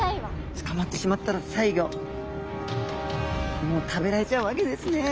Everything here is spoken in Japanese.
捕まってしまったら最後もう食べられちゃうわけですね。